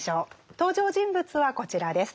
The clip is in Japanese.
登場人物はこちらです。